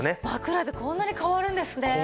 枕でこんなに変わるんですね。